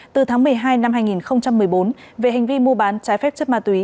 từ tháng một mươi hai năm hai nghìn một mươi bốn về hành vi mua bán trái phép chất ma túy